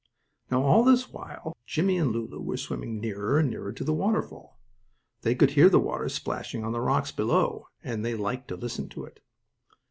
Now all this while Jimmie and Lulu were swimming nearer and nearer to the waterfall. They could hear the water splashing on the rocks below, and they liked to listen to it.